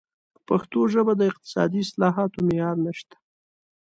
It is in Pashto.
په پښتو ژبه د اقتصادي اصطلاحاتو معیار نشته.